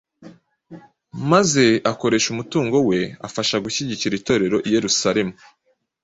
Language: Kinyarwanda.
maze akoresha umutungo we afasha gushyigikira Itorero i Yerusalemu